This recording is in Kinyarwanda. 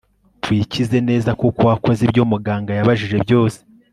wakize neza kuko wakoze ibyo muganga yabajije byose